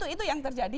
itu yang terjadi